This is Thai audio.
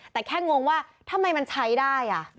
แต่แค่งงว่าทำไมมันใช้ได้